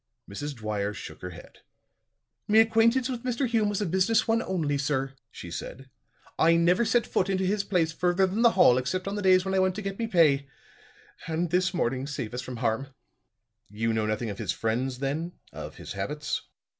Mrs. Dwyer shook her head. "Me acquaintance with Mr. Hume was a business one only, sir," she said. "I never set foot into his place further than the hall except on the days when I went to get me pay and this morning, save us from harm!" "You know nothing of his friends then of his habits?"